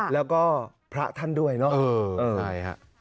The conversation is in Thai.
แล้วก็พระท่านด้วยเนาะ